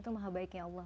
itu maha baiknya allah